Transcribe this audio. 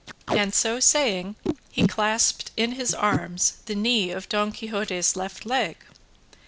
And so saying he clasped in his arms the knee of Don Quixote's left leg.